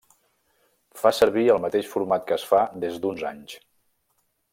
Fa servir el mateix format que es fa des d'uns anys.